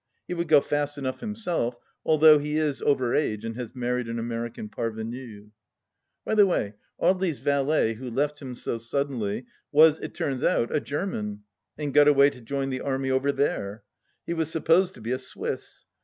He would go fast enough himseU, although he is over age and has married an American parvenu. ... By the way, Audely's valet, who left him so suddenly, was, it turns out, a German, and got away to join the army over there. He was supposed to be a Swiss.